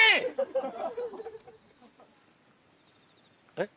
えっ？